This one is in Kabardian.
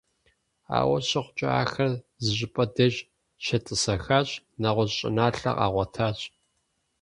Ауэ щыхъукӀэ, ахэр зыщӀыпӀэ деж щетӀысэхащ, нэгъуэщӀ щӀыналъэ къагъуэтащ.